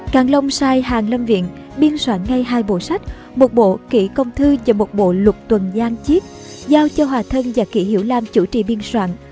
càng long sai hàng lâm viện biên soạn ngay hai bộ sách một bộ kỷ công thư và một bộ lục tuần giang chiết giao cho hòa thân và kỷ hiểu lam chủ trì biên soạn